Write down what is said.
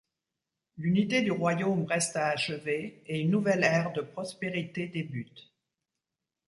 L'unité du royaume reste à achever, et une nouvelle ère de prospérité débute.